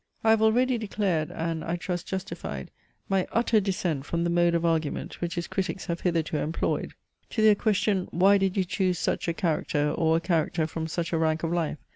I have already declared, and, I trust justified, my utter dissent from the mode of argument which his critics have hitherto employed. To their question, "Why did you choose such a character, or a character from such a rank of life?"